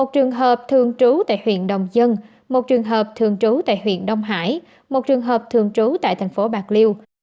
một trường hợp thường trú tại huyện đồng dân một trường hợp thường trú tại huyện đông hải một trường hợp thường trú tại thành phố bạc liêu